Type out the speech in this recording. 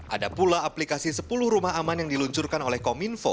ada pula aplikasi sepuluh rumah aman yang diluncurkan oleh kominfo